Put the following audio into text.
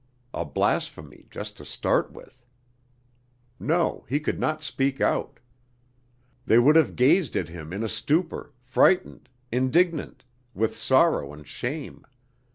a blasphemy just to start with. No, he could not speak out. They would have gazed at him in a stupor, frightened, indignant with sorrow and shame.